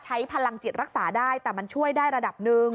ใช้พลังจิตรักษาได้แต่มันช่วยได้ระดับหนึ่ง